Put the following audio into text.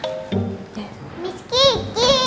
gemes deh kiki itu